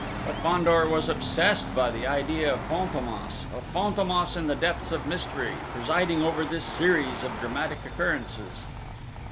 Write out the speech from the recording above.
But Fandor was obsessed by the idea of Fantômas, of Fantômas in the depths of mystery, presiding over this series of dramatic occurrences.